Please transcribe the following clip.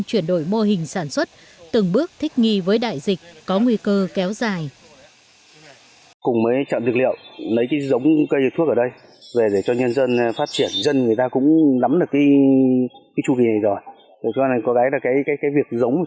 chuyển đổi mô hình sản xuất từng bước thích nghi với đại dịch có nguy cơ kéo dài